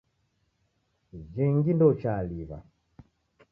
Jingi ndouchaliw'a.